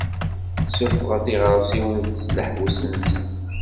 Suffɣet iɣersiwen seg leḥbus-nsen.